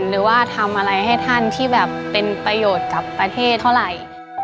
หรือว่าทำอะไรให้ท่านที่แบบเป็นประโยชน์กับประเทศเท่าไหร่